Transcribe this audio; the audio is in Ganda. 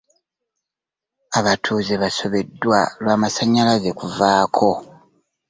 Abatuuze basobeddwa lwa masannyalaze kuvaako.